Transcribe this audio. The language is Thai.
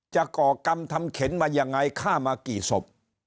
ก่อกรรมทำเข็นมายังไงฆ่ามากี่ศพ